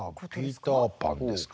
ピーターパンですか。